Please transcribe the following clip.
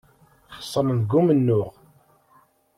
Xesren deg umennuɣ.